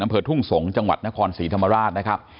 อำเภอทุ่งสงศ์จังหวัดนครศรีธรรมราชนะครับ